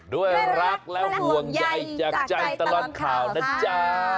ด้วยรักและห่วงใยจากใจตลอดข่าวนะจ๊ะ